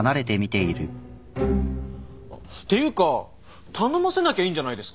っていうか頼ませなきゃいいんじゃないですか？